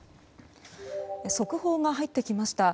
速報が入ってきました。